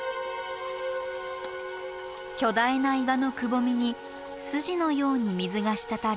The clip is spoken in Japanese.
巨大な岩のくぼみに筋のように水が滴る